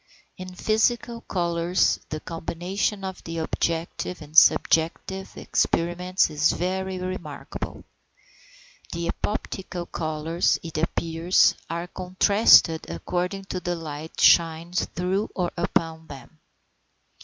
In physical colours the combination of the objective and subjective experiments is very remarkable. The epoptical colours, it appears, are contrasted according as the light shines through or upon them.